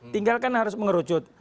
tinggalkan harus mengerucut